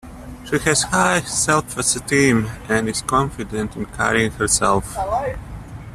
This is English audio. She has high self-esteem and is confident in carrying herself.